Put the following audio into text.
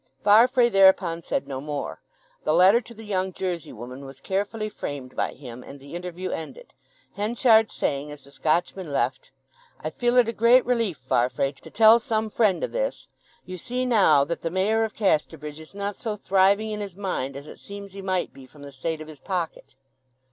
Farfrae thereupon said no more. The letter to the young Jersey woman was carefully framed by him, and the interview ended, Henchard saying, as the Scotchman left, "I feel it a great relief, Farfrae, to tell some friend o' this! You see now that the Mayor of Casterbridge is not so thriving in his mind as it seems he might be from the state of his pocket."